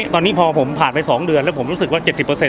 ตอนนี้พอผมผ่านไป๒เดือนแล้วผมรู้สึกว่า๗๐